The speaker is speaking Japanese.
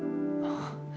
ああ